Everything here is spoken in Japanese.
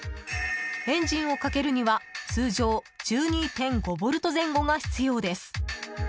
エンジンをかけるには通常１２．５ボルト前後が必要です。